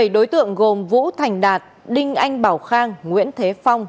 bảy đối tượng gồm vũ thành đạt đinh anh bảo khang nguyễn thế phong